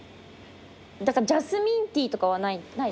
ジャスミンティーとかはない？